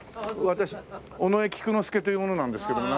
私尾上菊之助という者なんですけども。